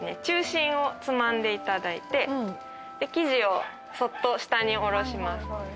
中心をつまんでいただいて生地をそっと下に下ろします。